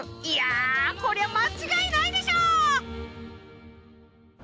いやぁこりゃ間違いないでしょ。